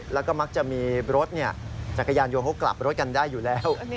แล้วก็มักจะมีรถเนี่ยจักรยานโยโฮกลับรถกันได้อยู่แล้ว